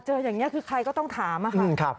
อย่างนี้คือใครก็ต้องถามค่ะ